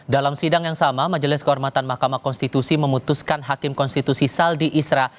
dalam sidang yang sama majelis kehormatan mahkamah konstitusi memutuskan hakim konstitusi saldi isra